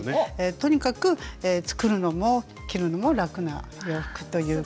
とにかく作るのも着るのも楽な洋服ということで。